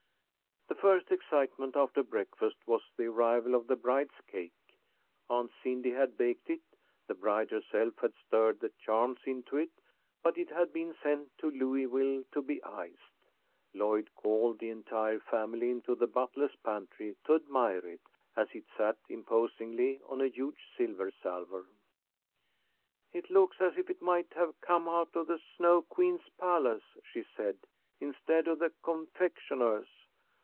The first excitement after breakfast was the arrival of the bride's cake. Aunt Cindy had baked it, the bride herself had stirred the charms into it, but it had been sent to Louisville to be iced. Lloyd called the entire family into the butler's pantry to admire it, as it sat imposingly on a huge silver salver. "It looks as if it might have come out of the Snow Queen's palace," she said, "instead of the confectionah's.